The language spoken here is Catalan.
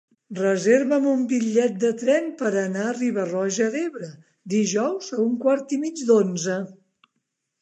Reserva'm un bitllet de tren per anar a Riba-roja d'Ebre dijous a un quart i mig d'onze.